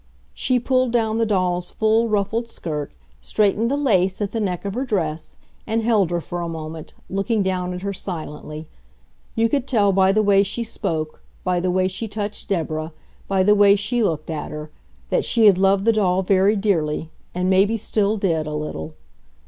She pulled down the doll's full, ruffled skirt, straightened the lace at the neck of her dress, and held her for a moment, looking down at her silently. You could tell by the way she spoke, by the way she touched Deborah, by the way she looked at her, that she had loved the doll very dearly, and maybe still did, a little.